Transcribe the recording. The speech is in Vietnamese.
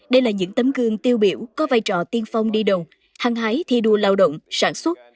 đây là những tấm gương tiêu biểu có vai trò tiên phong đi đồng hăng hái thi đua lao động sản xuất